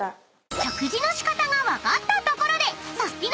［食事の仕方が分かったところでサスティな！